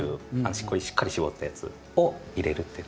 これしっかり搾ったやつを入れるっていう形。